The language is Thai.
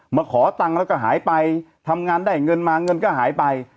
มาขอตังค์แล้วก็หายไปทำงานได้เงินมาเงินก็หายไป